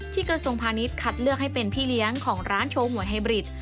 กระทรวงพาณิชย์คัดเลือกให้เป็นพี่เลี้ยงของร้านโชว์หวยไฮบริด